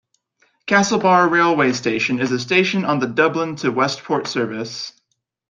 Castlebar railway station is a station on the Dublin to Westport service.